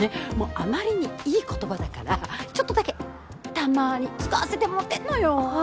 あまりにいい言葉だからちょっとだけたまに使わせてもうてんのよ。はあ。